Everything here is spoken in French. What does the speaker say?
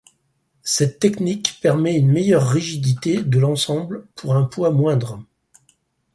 Cette technique permet une meilleure rigidité de l'ensemble pour un poids moindre.